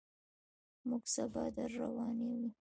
موږ سبا درروانېږو.